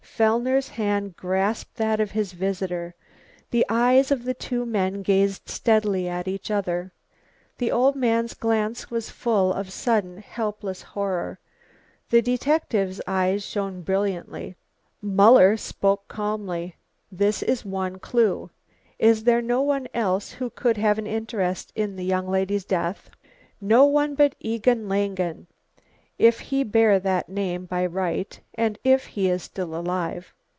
Fellner's hand grasped that of his visitor. The eyes of the two men gazed steadily at each other. The old man's glance was full of sudden helpless horror, the detective's eyes shone brilliantly. Muller spoke calmly: "This is one clue. Is there no one else who could have an interest in the young lady's death?" "No one but Egon Langen, if he bear this name by right, and if he is still alive."